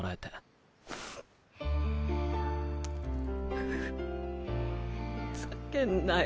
ふざけんなよ。